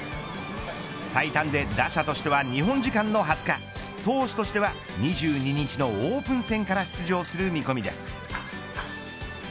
最短で打者としては日本時間の２０日投手としては２２日のオープン戦から出場する見込みです。